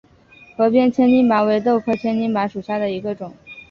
河边千斤拔为豆科千斤拔属下的一个种。